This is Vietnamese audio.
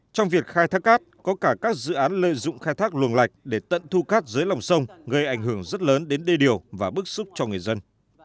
trong việc khai thác cát có cả các dự án lợi dụng khai thác luồng lạch để tận thu cát dưới lòng sông gây ảnh hưởng rất lớn đến đê điều và bức xúc cho người dân